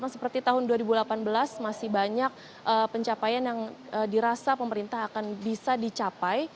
seperti tahun dua ribu delapan belas masih banyak pencapaian yang dirasa pemerintah akan bisa dicapai